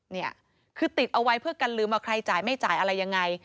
เนี่ยคือติดเอาไว้เพื่อกันลืมว่าใครจ่ายไม่จ่ายอะไรยังไง